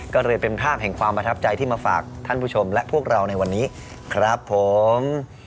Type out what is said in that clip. ก็เลยเป็นภาพแห่งความประทับใจที่มาฝากท่านผู้ชมและพวกเราในวันนี้ครับผม